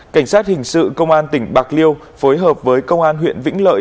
cảnh sát hình sự công an tỉnh bạc liêu phối hợp với công an huyện vĩnh lợi